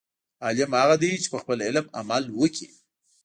عالم هغه دی، چې په خپل علم عمل وکړي.